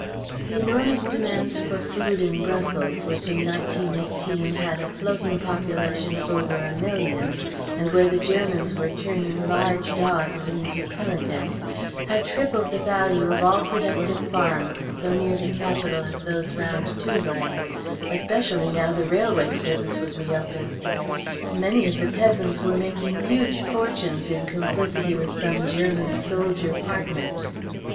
The enormous demands for food in Brussels, which in 1918 had a floating population of over a million and where the Germans were turning large dogs into pemmican, had tripled the value of all productive farms so near the capital as those round Tervueren, especially now the railway service was reopened. Many of the peasants were making huge fortunes in complicity with some German soldier partner.